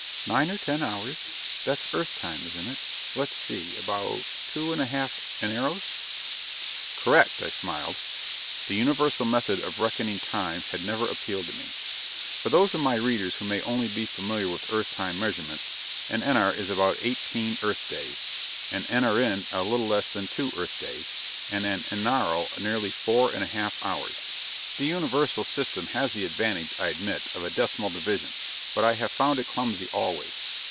"Nine or ten hours? That's Earth time, isn't it? Let's see: about two and a half enaros." "Correct," I smiled. The Universal method of reckoning time had never appealed to me. For those of my readers who may only be familiar with Earth time measurements, an enar is about eighteen Earth days, an enaren a little less than two Earth days, and an enaro nearly four and a half hours. The Universal system has the advantage, I admit, of a decimal division; but I have found it clumsy always.